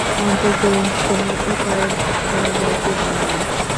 অনন্তকে কোন উপায়ে ভাগ করা যাইতে পারে না।